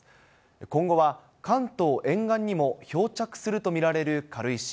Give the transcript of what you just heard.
今後は関東沿岸にも漂着すると見られる軽石。